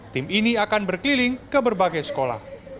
tim ini akan berkeliling ke berbagai sekolah